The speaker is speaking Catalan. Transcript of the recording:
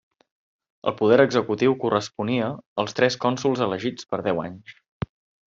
El poder executiu corresponia als tres cònsols elegits per deu anys.